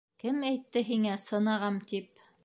— Кем әйтте һиңә сынығам тип?